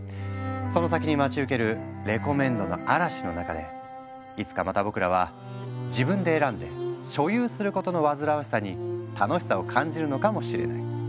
その先に待ち受けるレコメンドの嵐の中でいつかまた僕らは自分で選んで所有することの煩わしさに楽しさを感じるのかもしれない。